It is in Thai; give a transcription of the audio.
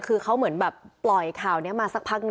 คือเขาเหมือนแบบปล่อยข่าวนี้มาสักพักหนึ่ง